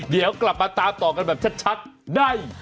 เดี๋ยวกลับมาตามต่อกันแบบชัดได้